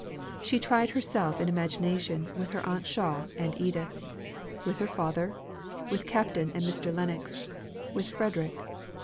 She tried herself in imagination with her Aunt Shaw and Edith; with her father; with Captain and Mr. Lennox; with Frederick.